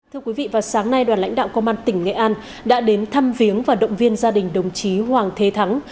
thưa quý vị vào sáng nay đoàn lãnh đạo công an tỉnh nghệ an đã đến thăm viếng và động viên gia đình đồng chí hoàng thế thắng